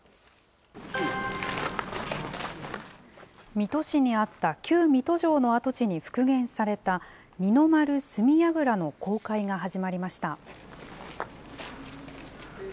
水戸市にあった旧水戸城の跡地に復元された、二の丸角櫓の公開が始まりました。